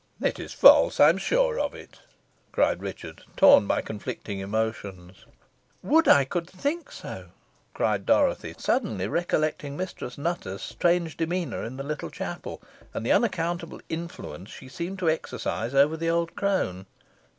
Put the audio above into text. "It is false, I am sure of it," cried Richard, torn by conflicting emotions. "Would I could think so!" cried Dorothy, suddenly recollecting Mistress Nutter's strange demeanour in the little chapel, and the unaccountable influence she seemed to exercise over the old crone.